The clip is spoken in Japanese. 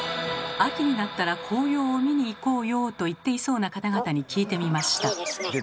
秋になったら「紅葉を見に行こうよう」と言っていそうな方々に聞いてみました。